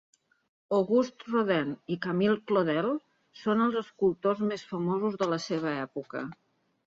Auguste Rodin i Camille Claudel són els escultors més famosos de la seva època.